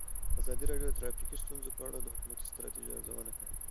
ازادي راډیو د ټرافیکي ستونزې په اړه د حکومتي ستراتیژۍ ارزونه کړې.